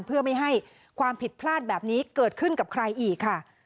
เพื่อไม่ให้ความผิดพลาดแบบนี้เกิดขึ้นกับใครอีกค่ะ